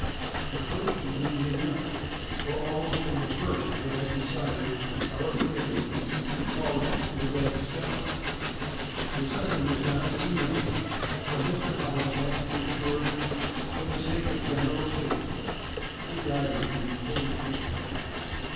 The first was easy enough, for almost from the first they had decided, the color permitting, to call it the "Red Scout." The second was not so easy, for Mr. Hollis must be assured, for the sake of the general safety, that the driver should be fully capable.